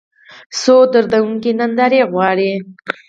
څو دردونکې نندارې غواړي